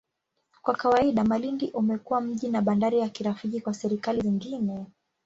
Kwa kawaida, Malindi umekuwa mji na bandari ya kirafiki kwa serikali zingine.